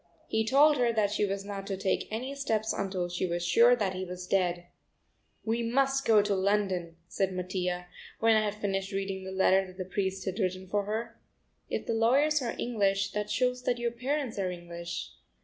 He told her that she was not to take any steps until she was sure that he was dead. "We must go to London," said Mattia, when I had finished reading the letter that the priest had written for her. "If the lawyers are English, that shows that your parents are English."